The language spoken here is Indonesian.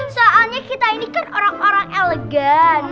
soalnya kita ini kan orang orang elegan